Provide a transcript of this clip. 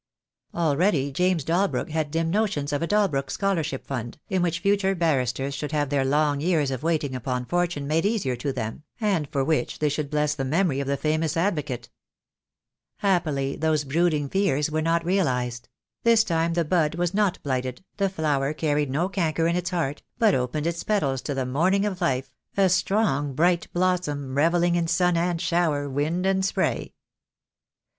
Already James Dalbrook had dim notions of a Dalbrook Scholarship Fund, in which future barristers should have their long years of waiting upon fortune made easier to them, and for which they should bless the memory of the famous advocate. Happily those brooding fears were not realized; this time the bud was not blighted, the flower carried no canker in its heart, but opened its petals to the morning of life, a strong bright blossom, revelling in sun and shower, wind and spray.